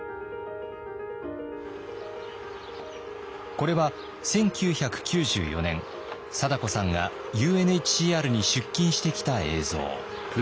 これは１９９４年貞子さんがＵＮＨＣＲに出勤してきた映像。